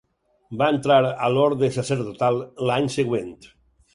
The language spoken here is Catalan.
Va entrar a l'Orde Sacerdotal l'any següent.